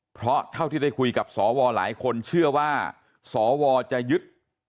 เพราะเท่าที่ได้คุยกับสวหลายคนเชื่อว่าสวจะยึด